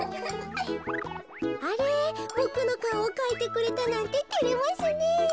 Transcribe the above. あれボクのかおをかいてくれたなんててれますねえ。